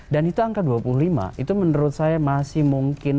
dan itu angka dua puluh lima itu menurut saya masih mungkin